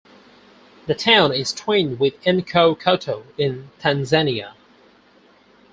The town is twinned with Nkokoto, in Tanzania.